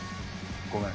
ごめん。